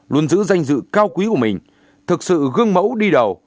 luôn giữ danh dự cao quý của mình thực sự gương mẫu đi đầu